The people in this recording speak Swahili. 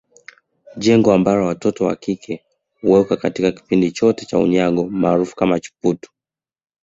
Jengo ambalo watoto wa kike huwekwa katika kipindi chote cha unyago maarufu Chiputu